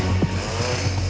gugur tuh ah